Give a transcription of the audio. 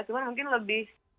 cuman mungkin lebih